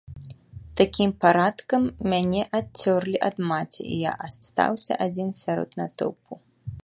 Такім парадкам мяне адцерлі ад маці, і я астаўся адзін сярод натоўпу.